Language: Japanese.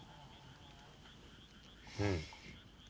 うん？